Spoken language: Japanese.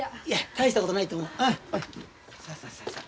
大したことないと思う。